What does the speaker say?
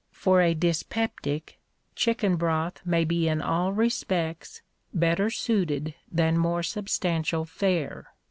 For a dyspeptic, chicken broth may be in all respects better suited than more substantial fare.